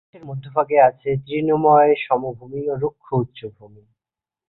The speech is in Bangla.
দেশের মধ্যভাগে আছে তৃণময় সমভূমি এবং রুক্ষ উচ্চভূমি।